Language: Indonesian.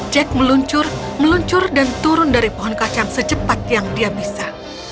jack meluncur meluncur dan turun dari pohon kacang secepat yang dia bisa